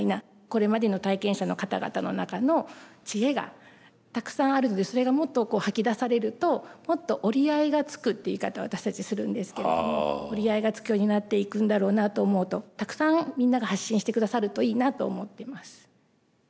これまでの体験者の方々の中の知恵がたくさんあるのでそれがもっとこう吐き出されるともっと折り合いがつくって言い方を私たちするんですけれども折り合いがつくようになっていくんだろうなと思うとたくさんみんなが発信してくださるといいなと思ってます。